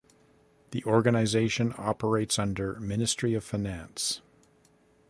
The organization operates under Ministry of Finance.